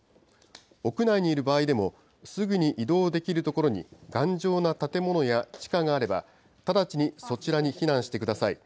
屋内にいる場合でも、すぐに移動できる所に頑丈な建物や地下があれば、直ちにそちらに避難してください。